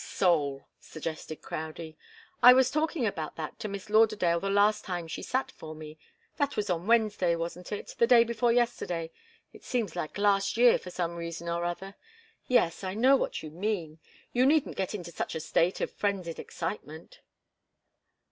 "Soul," suggested Crowdie. "I was talking about that to Miss Lauderdale the last time she sat for me that was on Wednesday, wasn't it the day before yesterday? It seems like last year, for some reason or other. Yes, I know what you mean. You needn't get into such a state of frenzied excitement."